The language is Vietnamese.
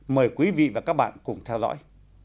mời quý vị và các bạn cùng theo dõi